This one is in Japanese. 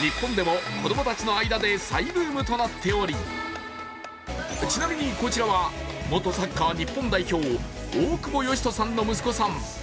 日本でも子供たちの間で再ブームとなっておりちなみにこちらは元サッカー日本代表、大久保嘉人さんの息子さん。